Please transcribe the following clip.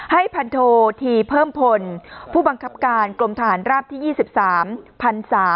พันโทธีเพิ่มพลผู้บังคับการกรมทหารราบที่๒๓พันศา